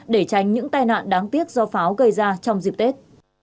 để tránh những tai nạn đáng tiếc do pháo gây ra trong dịp tết